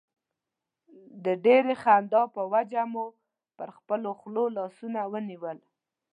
د ډېرې خندا په وجه مو پر خپلو خولو لاسونه ونیول.